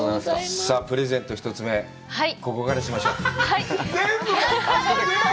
さあ、プレゼント１つ目、ここからしましょう。